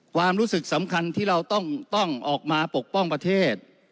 ความรู้สึกสำคัญที่เราต้องออกมาปกป้องประเทศ